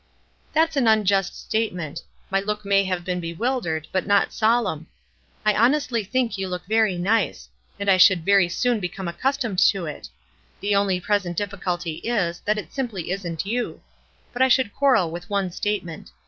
"That's an unjust statement. My look may have been bewildered, but not solemn. I hon estly think you look very nice ; and I should very soon become accustomed to it. The only present difficulty is, that it simply isn't you. But I should quarrel with one statement.